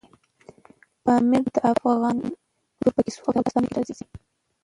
پامیر د افغان کلتور په کیسو او داستانونو کې راځي.